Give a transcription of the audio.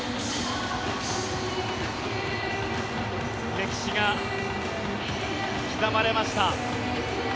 歴史が刻まれました。